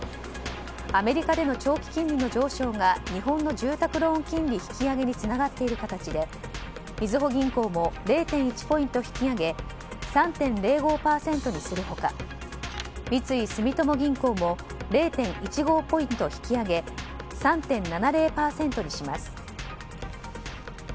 アメリカでの長期金利の上昇が日本の住宅ローン金利引き上げにつながっている形でみずほ銀行も０．１ポイント引上げ３．０５％にする他三井住友銀行も０．１５ポイント引き上げ３．７０％にします。